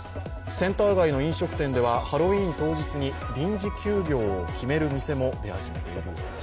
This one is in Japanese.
センター街の飲食店ではハロウィーン当日に臨時休業を決める店も出始めているようです。